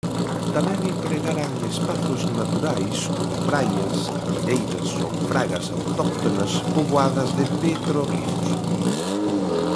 Tamén empregaran espazos naturais como praias, carballeiras ou fragas autóctonas poboadas de petróglifos.